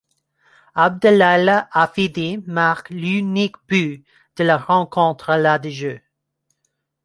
Abdelilah Hafidi marque l'unique but de la rencontre à la de jeu.